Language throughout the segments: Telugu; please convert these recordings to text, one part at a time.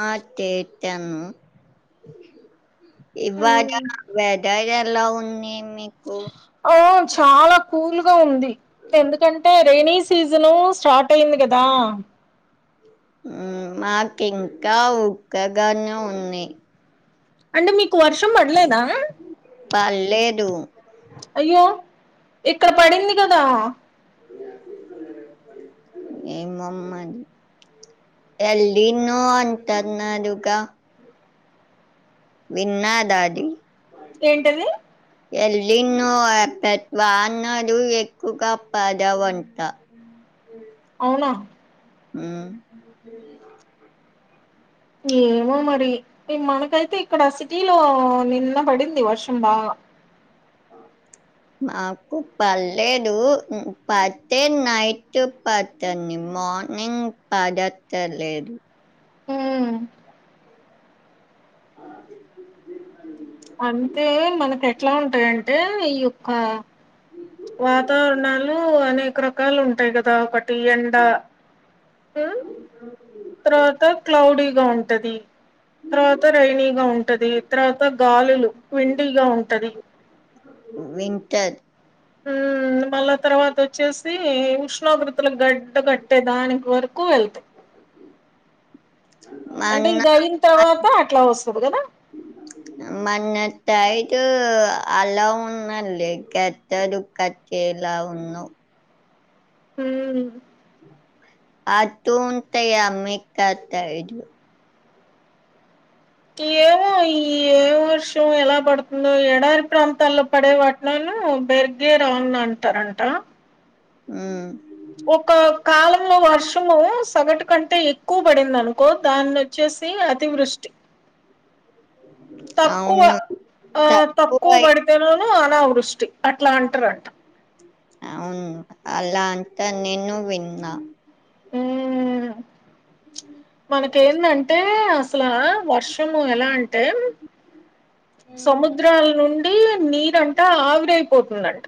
ఆ చెచాను ఇవాడ వెదర్ ఎలా ఉంది మీకు ఓ చాలా కూల్గా ఉంది ఎందుకంటే రైనీ సీజను స్టార్ట్ అయింది కదా మాకు ఇంకా ఉక్కగానే ఉంది అంటే మీకు వర్షం పడలేదా పళ్లేదు అయ్యో ఇక్కడ పడింది కదా [inaudible] ఏమో మరి ఎలినో అంటన్నారుగా విన్నాదాది ఏంటది ఎల్లినో పెట్వా అన్నాడు ఎక్కువగా పద వంటా అవునా ఉ ఏమో మరి మనకైతే ఇక్కడ సిటీలో నిన్న పడింది వర్షం బాగ [inaudible] మాకు పల్లేదు ఉ పతే నైటు పతంది మోనింగ్ పదత్తలేదు ఉమ్, అంటే మనకు ఎట్లా ఉంటయంటే ఈ యొక్క వాతావరణాలు అనేక రకాలు ఉంటాయి కదా పిఎందా ఆ తర్వాత క్లౌడీగా ఉంటది. తర్వాత రైైనీగా ఉంటది తర్వాత గాలులు విండిగా ఉంటది. వింటర్ ఊ మళ్ళా తర్వాత ఒచ్చేసీ ఉష్ణోగ్రతలు గాడ్డా కట్టే దానిక్ వర్కు వెళ్తాయి మన అంటే ఇది అయిన్ తర్వాత అట్లా ఒస్తది గద మన తైదూ ఆలవాలే కద్దారు క ఏలా ఉన్నావ్ హు ఆ తూ ఉంతయ అమ్మి కత్తయి ఇట్ ఏమో ఈ ఏ వర్షమో ఎలా బడ్తుందో ఎడారి ప్రాంతాల్లో పడే వాటి లను బెర్గే రాంన్ లంటారంట ఆ ఒక కాలంలో వర్షము సగటు కంటే ఎక్కు పడింది అనుకో దాన్ని ఒచ్చేసి అతివృష్టి తక్కువ అవును ఆ తక్కువ బడితేనును అనావృష్టి అట్లా అంట్రంట అవున్ అలా అంతా నేను విన్నా ఊ మనకేందాంటే అస్లా వర్షము ఎలా అంటే అంటే సముద్రాల నుండి నీరు అం త ఆవిరేపోతుందంట.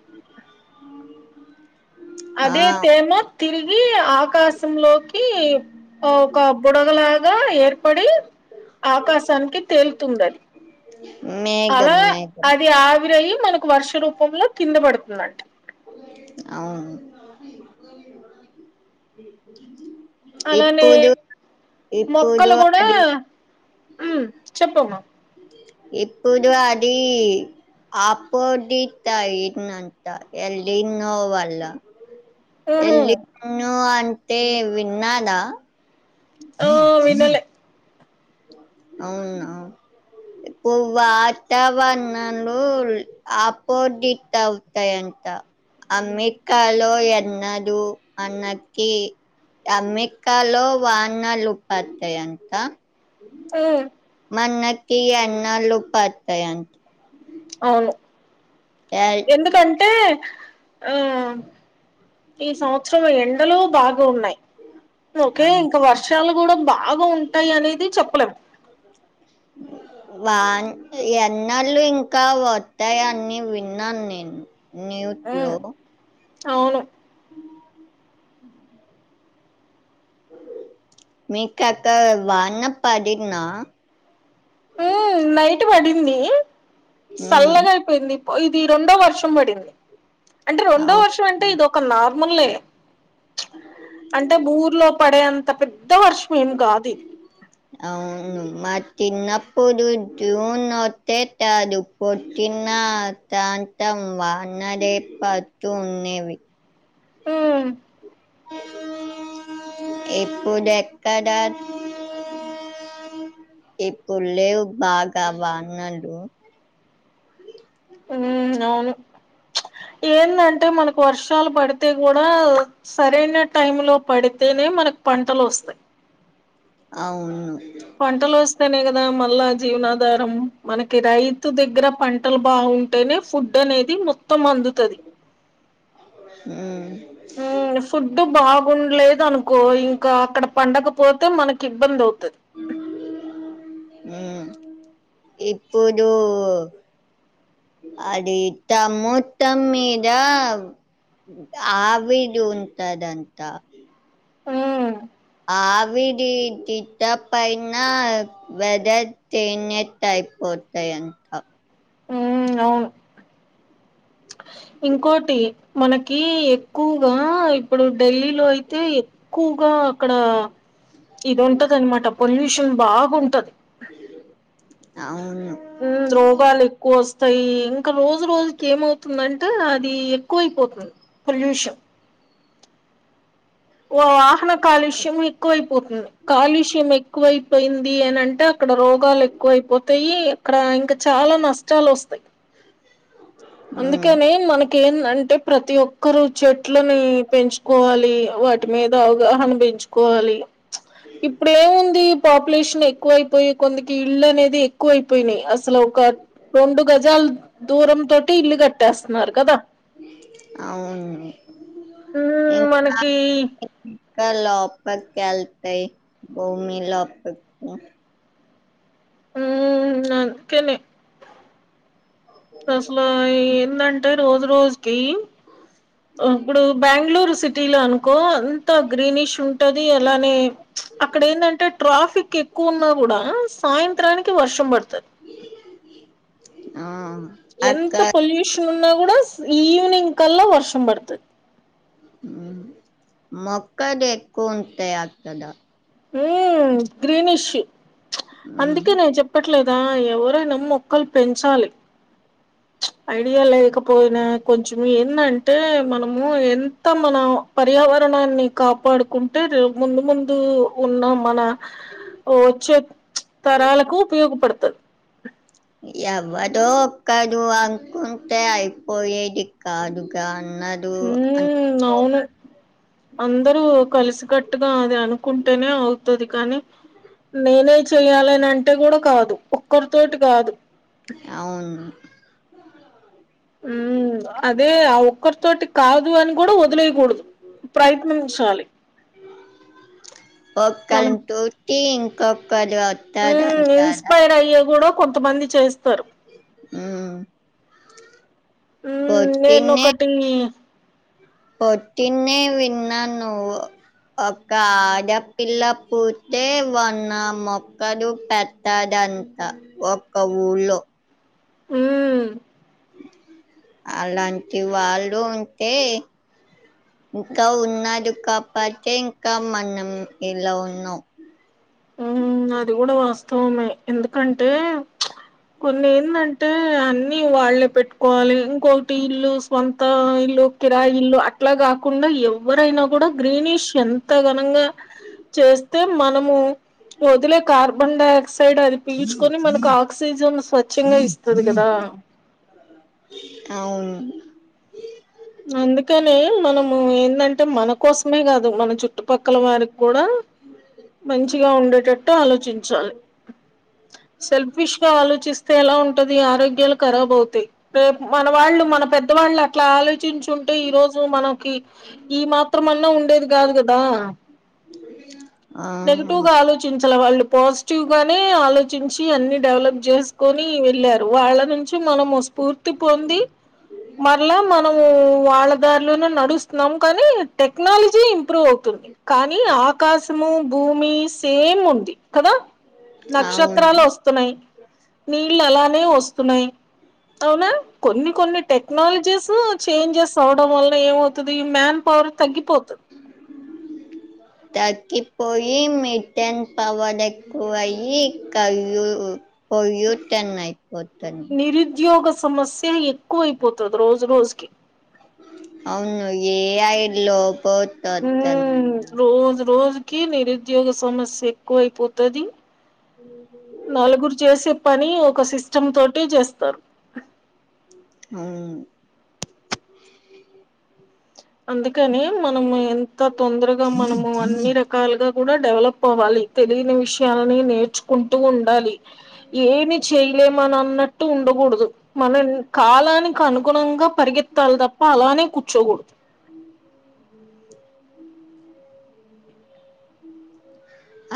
ఆ అదే తేమా తిరిగీ ఆకాశంలోకి ఓక బుడగలాగా ఏర్పడి ఆకాశానికి తేల్తుంది అది మేఘం అలా మేఘం అది ఆవిరేయ్యి మనకు వర్ష రూపంలో కింద బడ్తుందంట అవును అలానే ఇప్పుడు ఇప్పుడు మొక్కలు గూడా అది ఉ చెప్పమ్మా ఎప్పుదూ అదీ ఆపోదిత్ అయిందంత ఎల్ నినో వల్ల ఎల్ ఆహా నో అంతే విన్నదా ఓ వినలే అవునా ఇప్పు వాతావ్ణాలూ ఆపోదిత్ అవుతే అంత అమ్మే కాలో ఎన్నదు అన్నకి అమ్మేకాలో వానాలు పాత్తయంత హు మనకి ఎన్నాలు పత్తే అని అవును ఎల్ ఎందుకంటే ఓ ఈ సంవత్సరం ఎండలు బాగు ఉన్నాయి ఓకే ఇంకా వర్షాలు కూడా బాగా ఉంటాయి అనేది చెప్పలేం వాన్ ఎన్నళ్ళు ఇంకా వత్తాయి అన్ని విన్నాను నేను న్యూత్ లో అవును మీకత వాన పడిన్నా ఊ నైట్ పడింది హ్మ్. సల్లగా అయిపోయింది ప ఇది రెండో వర్షం పడింది అంటే రెండో వర్షం అంటే అవును. ఇదొక నార్మల్ ఏ అంటే ఊర్లో పడే అంత పెద్ద వర్షం ఏం కాది అవును మా తిన్ననప్పుడు జూన్ వత్తే తాదు పొట్టిన తాంతం వానలే పత్తూ ఉన్నేవి ఊమ్ ఇపుడెక్కడ ఇప్పుడు లేవు బాగా వానలు ఊ అవును ఏందంటే మనకు వర్షాలు పడితే కూడా సరైన టైమ్ లో పడితేనే మనకు పంటలొస్తాయి అవును పంటలు వస్తేనే కదా మళ్ళా జీవనాధారం మనకి రైతు దగ్గర పం టలు బావుంటేనే ఫుడ్ అనేది మొత్తం అందుతది ఊ ఊ ఫుడ్ బాగుండలేదు అనుకో ఇంక అక్కడ పండకపోతే మనకి ఇబ్బంది అవుతది ఊ ఇప్పుడు అది త ముత్తం మీద ఆవిడుంటదంట ఊ ఆవిడి తిట్టపైన వెదర్ చేంజట్ అయిపోతాయి అంతా ఊ అవును ఇంకోటి మనకి ఎక్కువగా ఇప్పుడు డెల్లీలో అయితే ఎ క్కువ్ గా అక్కడ ఇది ఉంటది అనమాట పొల్యూషన్ బాగుంటది అవును ఊ రోగాలు ఎక్కువ వస్తాయి ఇంక రోజు రోజుకి ఏమవుతుందంటే అది ఎక్కువైపోతుం పొల్యూష ఓ వాహన కాలుష్యం ఎక్కువైపోతుం కాలుష్యం ఎక్కువైపోయింది అని అంటే అక్కడ రోగాలు ఎక్కువైపోతాయి క్ర ఇంకా చాలా నష్టాలు వస్తాయి ఉమ్, అందుకనే మన కేన్ అంటే ప్రతి ఒక్కరూ చెట్లని పెంచుకోవాలి వాటి మీద అవగాహన పెంచు కొవాలి ఇప్పుడు ఏముంది పాపులేషన్ ఎక్కువయ్యిపొయ్యే కొందికి ఇళ్ళు అనేది ఎ క్కువ అయిపోయినాయి అసలు ఒక రెండు గజాలు దూరం తో టి ఇల్లు కట్టేస్తున్నారు కదా వున్ మ్మ్ ఇంకా మనకి ఇంకా లోపలికి వెళ్తాయి భూమి లోప ఊ అందుకనే అసలు ఏందంటే రోజు రోజుకి ఇప్పుడు బెంగళూరు సిటీ లో అనుకో అంత గ్రీనిష్ ఉంటది అలానే అక్కడ ఏంటంటే ట్రాఫిక్ ఎక్కువ ఉన్నా కూడా సాయంత్రానికి వర్షం పడుతది ఆ ఎంత అక్కడ పొల్యూషన్ ఉన్నా కూడా ఈవినింగ్ కల్లా వర్షం పడుతది మొక్కలు ఎక్కువ ఉంటాయి అక్కడ ఉ గ్రీనిష్ ఉమ్, అందుకే నేను చెప్పట్ లేదా ఎవరైనా మొక్కలు పెంచాలి ఐడియా లేకపోయినా కొంచెం ఏందంటే మనము ఎంత మన పర్యావరణాన్ని కాపాడుకుంటే ముందు ముందు ఉన్న మన వచ్చే తరాలకు ఉపయోగపడుతది ఎవడో ఒక్కడు అనుకుంటే అయిపోయేది కాదుగా అన్నది అంట హ్మ్ అవును అందరూ కలిసికట్టుగా అది అనుకుంటేనే అవుతది కానీ నేనే చెయ్యాలని అంటే కూడా కాదు ఒక్కరితోటి కాదు అవును ఉ అదే ఆ ఒక్కరితోటి కాదు అని కూడా వదిలేయకూడదు కూడదు ప్రయత్నించాలి మనం ఒకరిని [unintelligible] ఉ ఇన్స్పైర్ అయ్యి కూడా కొంతమంది చేస్తారు హూమ్ ఉ నేను ఒకటి పొద్దున్నే విన్నాను ఒక ఆడపిల్ల పుడితే వన్న మొక్కడు పెట్ట తదంతా ఒక్క ఊళ్ళో ఉ అలాంటి వాళ్ళు ఉంటే ఇంకా ఉన్నారుడు కాబట్టె ఇంకా మనం ఇలా ఉన్నాం ఉ అది కూడా వాస్తవమే ఎందుకంటే కొన్ని ఏందంటే అన్నిీ వాళ్లే పెట్టుకోవాలి ఇంకొకటి ఇల్లు సొంత ఇల్లు కిరాయి ఇల్లు అట్లాగగా కాకుండా ఎవరైనా కూడా గ్రీనిష్ ఎంత ఘనంగా చేస్తే మనము వదిలే కార్బన్ డైఆక్సైడ్ అది పీల్చుకొని మనకు ఆక్సిజన్ స్వచ్ఛంగా ఇస్త ఇస్తది కదా అవును అందుకనె మనము ఏంటంటే మన కోసమే కాదు మన చుట్టుపక్కల వారికి కూడా మంచిగా ఉండేటట్టు ఆలోచించాలి సెల్ఫిష్ గా ఆలోచిస్తే ఎలా ఉంటది ఆరోగ్యాలు కరాబ్ అవుతాయి రేపు మన వాళ్ళు మన పెద్దవాళ్ళు అట్లా ఆలోచ చర్చించుంటే ఈ రోజు మనకి ఈ మాత్రంమన్నా ఉండేది కాదు కదా ఆ, నెగిటివ్ గాా అలోచించి వాళ్ళు పాజిటివ్ గానే ఆలోచించి అన్ని డెవలప్ చేసుకొని వెళ్ళారు వాళ్ళ నుంచి మనము స్ఫూర్తి పొంది మరల మనము వాళ్ళదారిలోనే నడుస్తున్నాము కానీ టెక్నాలజీ ఇంప్రూవ్ అవుతుంది కానీ ఆకాశము భూమి సేమ్ ఉంది కదా నక్షత్రాలు అవును వస్త న్నయి నీళ్లు అలానే వస్తున్నాయి అవునా కొన్ని కొన్ని టెక్నాలజీస్ చేంజెస్ అవడం వల్ల ఏమవుతది ఈ మ్యాన్ పవర్ తగ్గిపోతది తకిపోయి మీట్టన్ పవర్ ఏకువయి కయూ పొల్యూచన్ అయిపోతాన్నే నిరుద్యోగ సమస్య ఎక్కువ అయిపోతుంది రోజు రోజుకి అవును ఏఐ లోబో ఉ రోజు రోజుకి నిరుద్యోగ సమస్య ఎక్కువయిపోతది ఉ నలుగురు చేసే పని ఒక సిస్టమ్ తోటి చేస్తారు ఆ అందుకని మనము ఎంత తొందరగా మనము అన్ని రకాలుగా కూడా డెవలప్ అవ్వాలి తెలియని విషయాలని నేర్చుకుంటూ ఉండాలి ఏమి చేయలేమని అన్నట్టు ఉండకూడదు మనం కాలానికి అనుగుణంగా పరిగెత్తాలి తప్ప అలానే కూర్చోకూడదు ఆ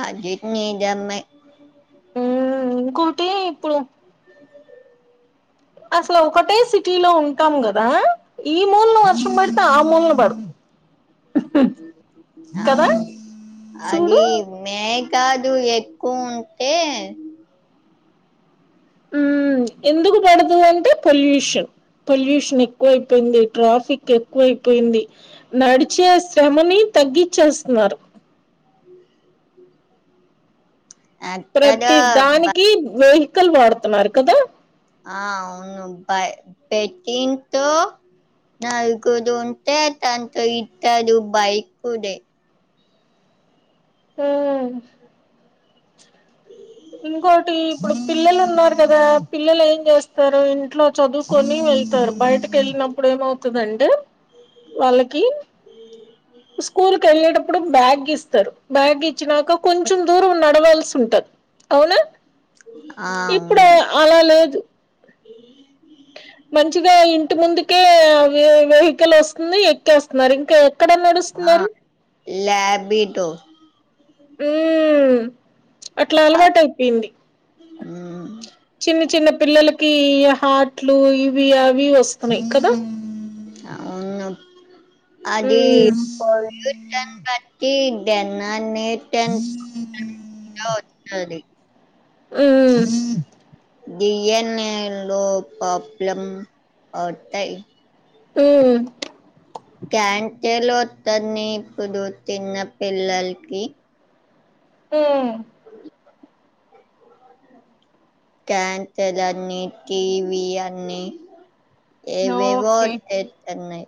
అది నిజమే ఉ ఇంకోటి ఇప్పుడు అసలు ఒకటే సిటీ లో ఉంటాం కదా ఈ మూల్నా వర్షం పడితే ఆ ముూల్నా బడు కదా అవును చూడు అది మేయి కాదు ఎక్కువ ఉంటే ఉ ఎందుకు పడుతుంది అంటే పొల్యూషన్ పొల్యూషన్ ఎక్కువైపోయింది ట్రాఫిక్ ఎక్కువైపోయింది నడిచే శ్రమని తగ్గించేస్తున్నారు అక్కడ ప్రతి బ దానికి వెహికల్ వాడుతున్నారు కదా ఆ అవును బ పెట్టింతో నాలు గుదు ఉంటే తంత ఇట్టదు బైక్దే హ ఇంకోటి ఇప్పుడు పిల్లలు ఉన్నారు కదా పిల్లలు ఏం చేస్తారు ఇంట్లో చదువుకొని వెళ్తారు బైటికెళ్ళినప్పుడు ఏమవుతుందండి వాళ్ళకి స్కూల్కెళ్ళేటప్పుడు బ్యాగ్ ఇస్త త్తరు బ్యాగ్ ఇచ్చినాక కొంచెం దూరం నడవాల్సి ఉంటది అవునా ఆ ఇప్పుడే అలా లేదు ఏమీ మంచిగా ఇంటి ముందుకే వె వెహికిల్ వస్తుంది ఎక్కేస్తున్నారు ఇంకా ఎక్కడ ఆ నడుస్తున్నారు లాబిటొ ఉ అట్లా అలవాటైపోయింది ఉ చిన్న చిన్న పిల్లలకి హార్ట్లు ఇవి అవి వొస్తున్నాయి కదా ఉమ్ అవును అదీ పొల్యూటన్ బట్టి దెనా నెట్ జూ ఇలా ఒత్తాలి మ్ డీఎన్ఏ లో ప్రాబ్లం ఒత్తాయి మ్ క్యాన్సల్ ఒత్తంది ఇప్పుడు తిన్న పిల్లలకి మ్ క్యాన్సల్ అనీ టీవీ అని ఏవేవో ఓకె. వచ్చేస్తున్నాయి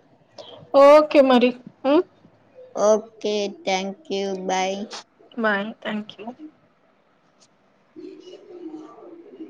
ఓకె మరి మ్ okay thank you bye bye thank you ఏం చెత్తన్నావ్ అంజలి